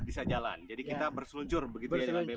bisa jalan jadi kita berseluncur begitu ya dengan bebas